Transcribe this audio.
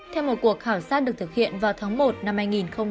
theo một cuộc khảo sát được thực hiện vào tháng một năm hai nghìn hai mươi